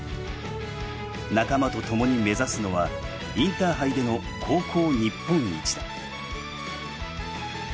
仲間とともに目指すのはインターハイでの高校日本一だ。